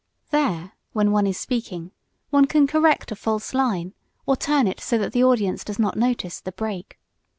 There, when one is speaking, one can correct a false line, or turn it so that the audience does not notice the "break."